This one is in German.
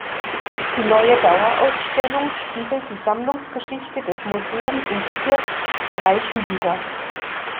Die neue Dauerausstellung spiegelt die Sammlungsgeschichte des Museums in vier Bereichen wider.